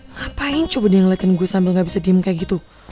ngapain coba deh ngeliatin gue sambil gak bisa diem kayak gitu